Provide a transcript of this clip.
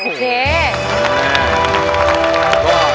โอเค